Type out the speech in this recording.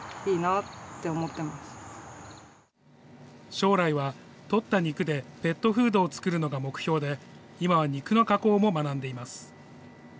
将来は取った肉でペットフードを作るのが目標で、今は肉の加工も学んでいます。